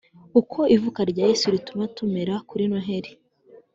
Uko ivuka rya Yesu rituma tumera kuri noheri